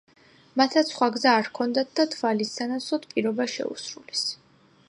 მათაც სხვა გზა არ ჰქონდათ და თვალის სანაცვლოდ პირობა შეუსრულეს.